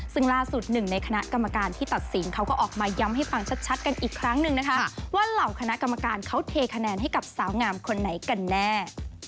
ซึ่งล่าสุดหนึ่งในคณะกรรมการที่ตัดสินเขาก็ออกมาย้ำให้ฟังชัดกันอีกครั้งหนึ่งนะคะว่าเหล่าคณะกรรมการเขาเทคะแนนให้กับสาวงามคนไหนกันแน่